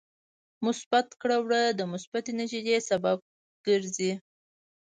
مثبت کړه وړه د مثبتې نتیجې سبب ګرځي.